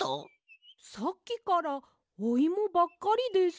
さっきからおイモばっかりです。